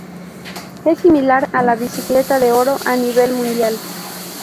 Es similar a la Bicicleta de Oro a nivel mundial.